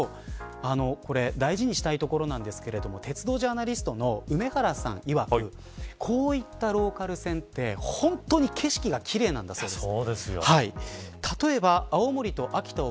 だからこそ大事にしたいところなんですけど鉄道ジャーナリストの梅原さんいわくこういったローカル線って本当に景色が奇麗なんだそうです。